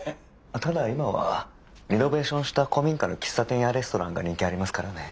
ただ今はリノベーションした古民家の喫茶店やレストランが人気ありますからね。